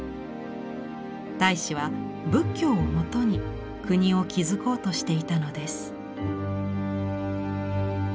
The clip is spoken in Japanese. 太子は仏教をもとに国を築こうとしていたのです。